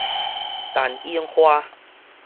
陳永華